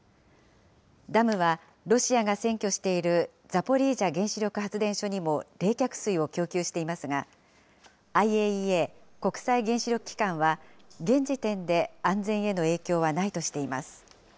ダムは、ロシアが占拠しているザポリージャ原子力発電所にも冷却水を供給していますが、ＩＡＥＡ・国際原子力機関は現時点で安全への影響はないとしています。